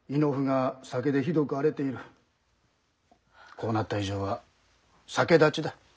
こうなった以上は酒断ちだ。